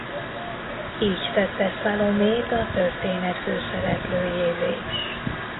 Így tette Salomét a történet főszereplőjévé.